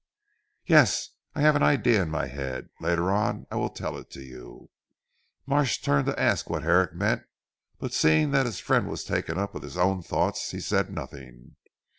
"Yes! I have an idea in my head. Later on I will tell it to you." Marsh turned to ask what Herrick meant but seeing that his friend was taken up with his own thoughts, he said nothing.